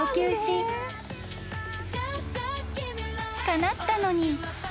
［かなったのに］